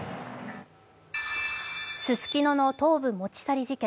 ススキノの頭部持ち去り事件。